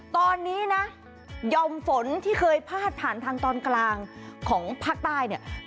ตอนนี้นะยอมฝนที่เคยพาดผ่านทางตอนกลางของภาคใต้เนี่ย